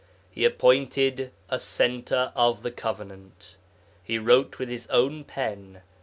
He appointed a Centre of the Covenant, He wrote with his own pen